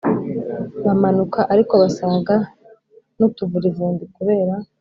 bamanuka ariko basaga nutuvurivundi kubera